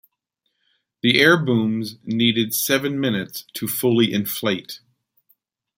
The airbooms needed seven minutes to fully inflate.